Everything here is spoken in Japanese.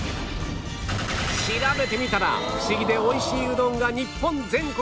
調べてみたらフシギで美味しいうどんが日本全国